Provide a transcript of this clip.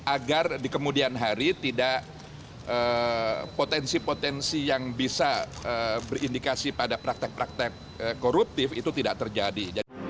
agar di kemudian hari potensi potensi yang bisa berindikasi pada praktek praktek koruptif itu tidak terjadi